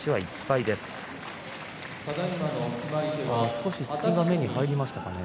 少し突きが目に入りましたかね